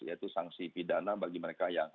yaitu sanksi pidana bagi mereka yang